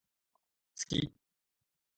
好き